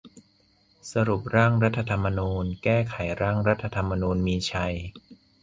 สรุปร่างรัฐธรรมนูญ : แก้ไขร่างรัฐธรรมนูญมีชัย